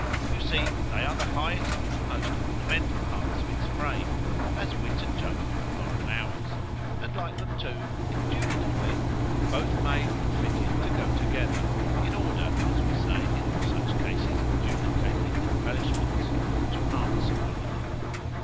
—You see, they are the highest and most ornamental parts of its frame—as wit and judgment are of ours—and like them too, indubitably both made and fitted to go together, in order, as we say in all such cases of duplicated embellishments——_to answer one another.